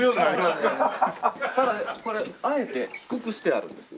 ただこれあえて低くしてあるんです。